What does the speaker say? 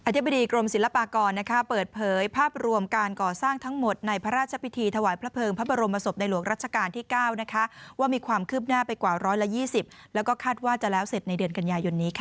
ธิบดีกรมศิลปากรเปิดเผยภาพรวมการก่อสร้างทั้งหมดในพระราชพิธีถวายพระเภิงพระบรมศพในหลวงรัชกาลที่๙ว่ามีความคืบหน้าไปกว่า๑๒๐แล้วก็คาดว่าจะแล้วเสร็จในเดือนกันยายนนี้ค่ะ